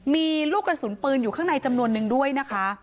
มีลูกกระสุนปืนอยู่ข้างในจำนวนนึงด้วยนะคะ